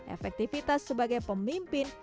efektivitas sebagai pemimpin